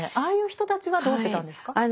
ああいう人たちはどうしてたんですか？